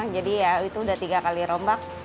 jadi ya itu sudah tiga kali rombak